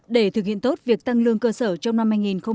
để thực hiện tốt việc tăng lương cơ sở trong năm hai nghìn hai mươi